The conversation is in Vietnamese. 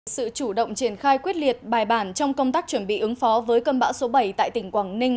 sự chủ động triển khai quyết liệt bài bản trong công tác chuẩn bị ứng phó với cơn bão số bảy tại tỉnh quảng ninh